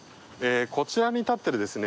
こちらに建っているですね